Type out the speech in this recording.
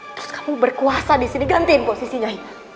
terus kamu berkuasa disini gantiin posisinya